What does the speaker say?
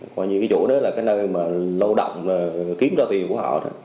coi như cái chỗ đó là cái nơi mà lâu động kiếm ra tiền của họ đó